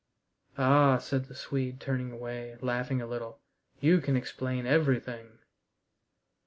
"Ah," said the Swede, turning away, laughing a little, "you can explain everything!"